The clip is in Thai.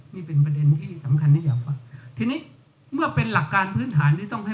นี่เป็นประเด็นที่สำคัญที่อยากฟังทีนี้เมื่อเป็นหลักการพื้นฐานที่ต้องให้